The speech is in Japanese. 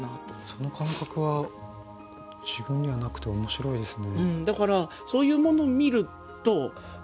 その感覚は自分にはなくて面白いですね。